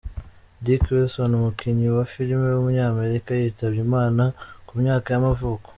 Dick Wilson, umukinnyi wa film w’umunyamerika yitabye Imana ku myaka y’amavuko.